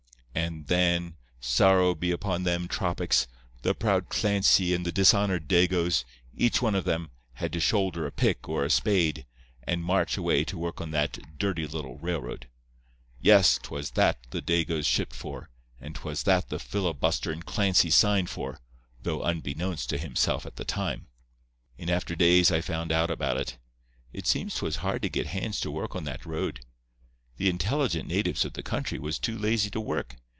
"And then—sorrow be upon them tropics—the proud Clancy and the dishonoured Dagoes, each one of them, had to shoulder a pick or a spade, and march away to work on that dirty little railroad. Yes; 'twas that the Dagoes shipped for, and 'twas that the filibusterin' Clancy signed for, though unbeknownst to himself at the time. In after days I found out about it. It seems 'twas hard to get hands to work on that road. The intelligent natives of the country was too lazy to work.